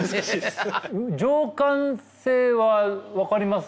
「情感性」は分かります？